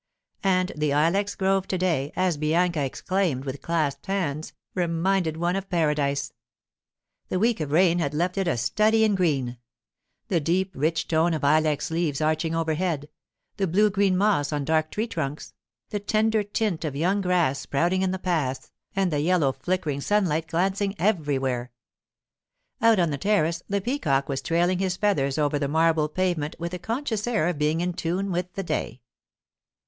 And the ilex grove to day, as Bianca exclaimed with clasped hands, reminded one of paradise. The week of rain had left it a study in green; the deep, rich tone of ilex leaves arching overhead, the blue green moss on dark tree trunks, the tender tint of young grass sprouting in the paths, and the yellow flickering sunlight glancing everywhere. Out on the terrace the peacock was trailing his feathers over the marble pavement with a conscious air of being in tune with the day.